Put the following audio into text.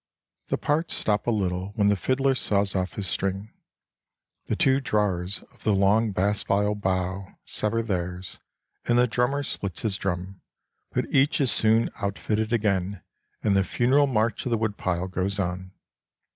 The parts stop a little when the fiddler saws off his string, the two drawers of the long bass viol bow sever theirs, and the drummer splits his drum, but each is soon outfitted again, and the funeral march of the woodpile goes on.